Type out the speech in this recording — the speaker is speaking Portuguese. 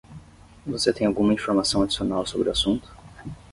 Você tem alguma informação adicional sobre o assunto?